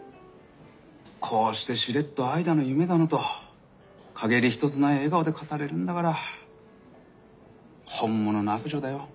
こうしてしれっと愛だの夢だのと陰り一つない笑顔で語れるんだから本物の悪女だよ